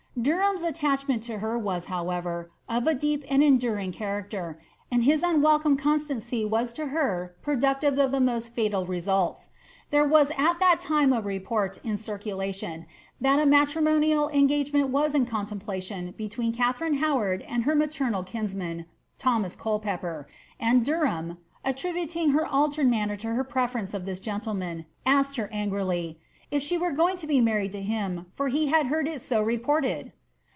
Derham's attachment to her was, however, of a deep and enduring character, and his unwelcome eoBstaocy was to her productive of the most fatal results. There was at that time a report in circulation that a matrimonial engagement was in eoDtemplation between Katharine Howard and her maternal kinsman, Thomas Culpepper ; and Derham, attributing her altered manner to her preference of this gentleman, asked her angnly, ^ If she were going to BO married to him, for he had heard it so reported